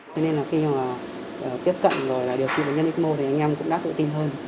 thế nên là khi tiếp cận rồi điều trị bệnh nhân x mo thì anh em cũng đã tự tin hơn